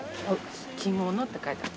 「きもの」って書いてある。